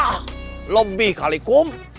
hah lebih kali kum